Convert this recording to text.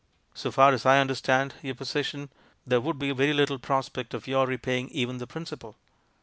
So far as I understand your position, there would be very little prospect of your repaying even the principal."